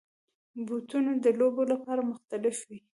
بوټونه د لوبو لپاره مختلف وي.